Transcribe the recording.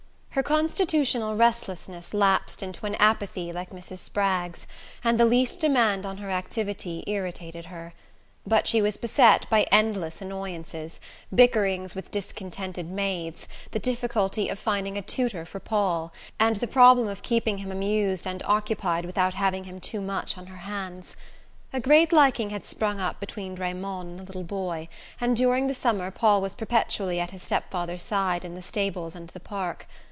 Her constitutional restlessness lapsed into an apathy like Mrs. Spragg's, and the least demand on her activity irritated her. But she was beset by endless annoyances: bickerings with discontented maids, the difficulty of finding a tutor for Paul, and the problem of keeping him amused and occupied without having him too much on her hands. A great liking had sprung up between Raymond and the little boy, and during the summer Paul was perpetually at his step father's side in the stables and the park.